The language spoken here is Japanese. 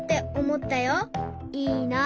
いいな。